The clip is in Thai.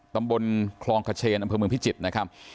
ตำบลคลองขเชนอำเภอเมืองพิจิตรนะครับ